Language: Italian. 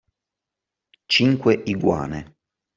Cinque iguane